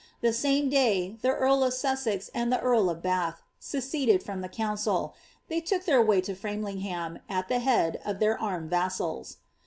The same day, the earl of Sussex and the earl of Bath seceded from the council ; they took their way to Framlingham. at the head of their armed vassals.